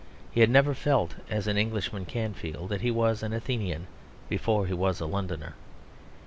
He had never felt (as an Englishman can feel) that he was an Athenian before he was a Londoner.